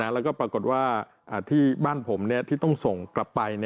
แล้วก็ปรากฏว่าที่บ้านผมที่ต้องส่งกลับไป